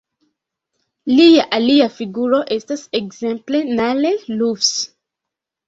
Lia alia figuro estas ekzemple Nalle Lufs.